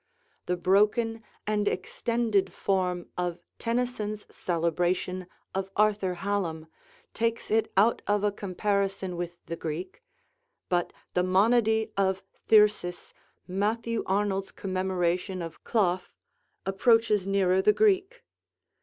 The broken and extended form of Tennyson's celebration of Arthur Hallam takes it out of a comparison with the Greek; but the monody of 'Thyrsis', Matthew Arnold's commemoration of Clough, approaches nearer the Greek.